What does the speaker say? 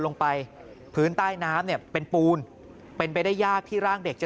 ลงไปพื้นใต้น้ำเนี่ยเป็นปูนเป็นไปได้ยากที่ร่างเด็กจะ